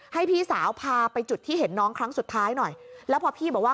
ให้พี่สาวพาไปจุดที่เห็นน้องครั้งสุดท้ายหน่อยแล้วพอพี่บอกว่า